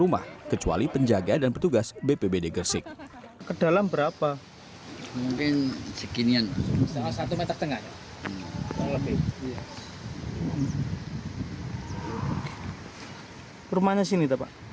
saya cek di sini